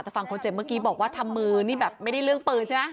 แต่ฝั่งคนเจ็บเมื่อกี้บอกว่าทำมือนี่แบบไม่ได้เรื่องปืนใช่ไหม